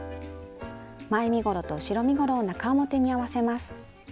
前身ごろと後ろ身ごろを中表に合わせます。